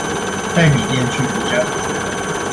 帶筆電去國家圖書館